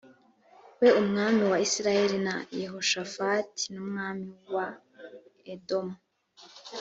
we umwami wa isirayeli na yehoshafati n umwami wa edomu